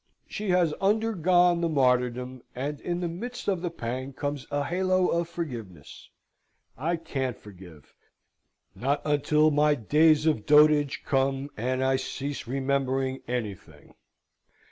She has undergone the martyrdom, and in the midst of the pang comes a halo of forgiveness. I can't forgive; not until my days of dotage come, and I cease remembering anything.